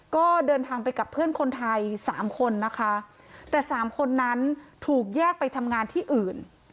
ก็เดินทางไปกับเพื่อนคนไทยสามคนนะคะแต่สามคนนั้นถูกแยกไปทำงานที่อื่น